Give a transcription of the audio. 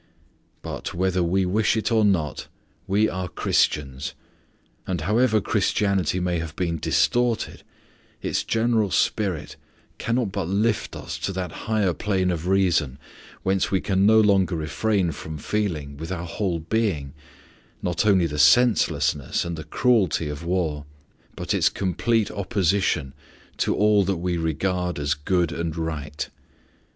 But, whether we wish it or not, we are Christians, and however Christianity may have been distorted, its general spirit cannot but lift us to that higher plane of reason whence we can no longer refrain from feeling with our whole being not only the senselessness and the cruelty of war, but its complete opposition to all that we regard as good and right.